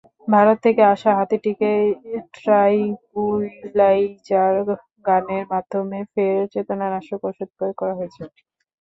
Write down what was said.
ভারত থেকে আসা হাতিটিকে ট্রাঙ্কুইলাইজারগানের মাধ্যমে ফের চেতনানাশক ওষুধ প্রয়োগ করা হয়েছে।